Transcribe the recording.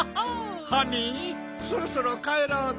ハニーそろそろかえろうか。